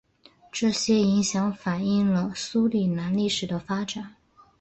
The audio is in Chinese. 这些影响反映了苏里南历史的发展。